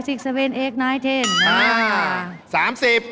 เร็วเวลาใกล้แล้ว